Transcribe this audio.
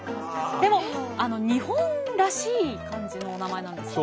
でも日本らしい感じのお名前なんですよね。